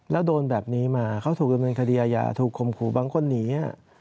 แล้วโดนแบบนี้มาเขาถูกดำเนินคดีอาญาถูกคมครูบางคนหนี